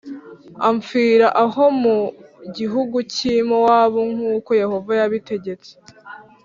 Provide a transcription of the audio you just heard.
apfira aho mu gihugu cy’i mowabu nk’uko yehova yabitegetse